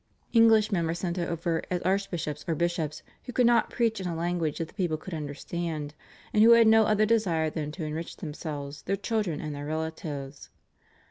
Englishmen were sent over as archbishops or bishops, who could not preach in a language that the people could understand, and who had no other desire than to enrich themselves, their children, and their relatives.